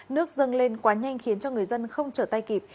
nước dâng lên quá nhanh khiến cho người dân không trở tay kịp